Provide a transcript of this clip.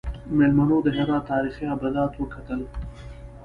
میلمنو د هرات تاریخي ابدات وکتل.